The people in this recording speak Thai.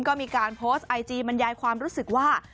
ก็มีการโพสต์ไอจีบรรยายความรู้สึกว่า